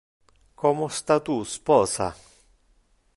Como sta tu sposa?